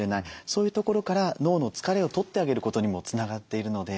そういうところから脳の疲れを取ってあげることにもつながっているので。